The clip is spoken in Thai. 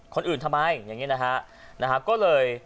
คนอื่นทำไมอย่างนี้นะฮะก็เลย